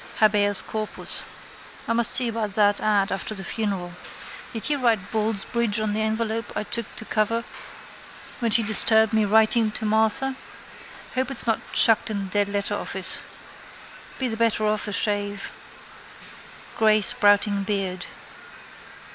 Habeas corpus. I must see about that ad after the funeral. Did I write Ballsbridge on the envelope I took to cover when she disturbed me writing to Martha? Hope it's not chucked in the dead letter office. Be the better of a shave. Grey sprouting beard.